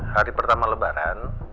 hari pertama lebaran